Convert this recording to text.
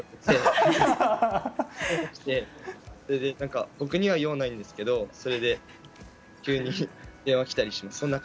それで僕には用ないんですけどそれで急に電話きたりします。